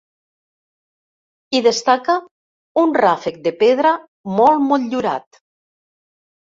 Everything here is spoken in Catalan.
Hi destaca un ràfec de pedra molt motllurat.